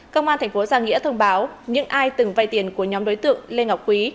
công an thành phố giang nghĩa thông báo những ai từng vay tiền của nhóm đối tượng lê ngọc quý